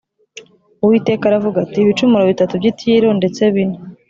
Uwiteka aravuga ati “Ibicumuro bitatu by’i Tiro, ndetse bine